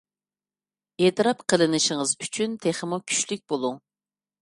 ئېتىراپ قىلىنىشىڭىز ئۈچۈن تېخىمۇ كۈچلۈك بولۇڭ!